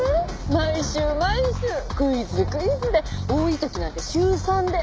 毎週毎週クイズクイズで多い時なんて週３で！